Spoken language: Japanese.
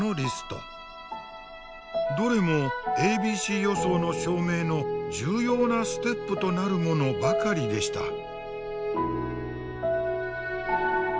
どれもａｂｃ予想の証明の重要なステップとなるものばかりでした。